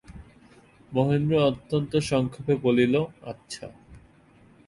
মহেন্দ্র অত্যন্ত সংক্ষেপে বলিল, আচ্ছা।